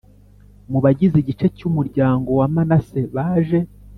Mu bagize igice cy umuryango wa Manase baje